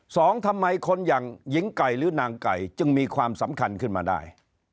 ทำไมคนอย่างหญิงไก่หรือนางไก่จึงมีความสำคัญขึ้นมาได้